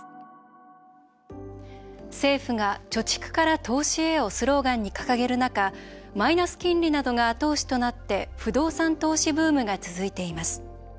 政府が「貯蓄から投資へ」をスローガンに掲げる中マイナス金利などが後押しとなって不動産投資ブームが続いています。